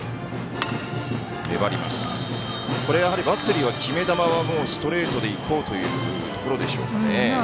バッテリーは決め球はストレートでいこうというところでしょうかね。